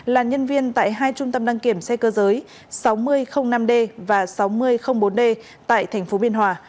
là nhân viên tại hai trung tâm đăng kiểm xe cơ giới sáu nghìn năm d và sáu nghìn bốn d tại tp biên hòa